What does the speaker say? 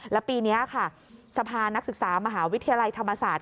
แล้วปีนี้ค่ะสภานักศึกษามหาวิทยาลัยธรรมศาสตร์